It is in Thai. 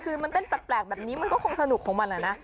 คือมันเต้นแปลกแบบนี้มันก็คงสนุกของมันแหละนะ